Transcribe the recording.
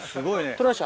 取れました？